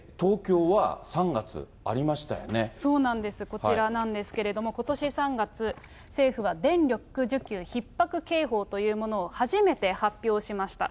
こちらなんですけれども、ことし３月、政府は電力需給ひっ迫警報というものを初めて発表しました。